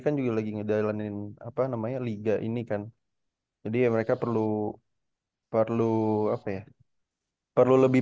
kan juga lagi ngejalanin apa namanya liga ini kan jadi mereka perlu perlu apa ya perlu lebih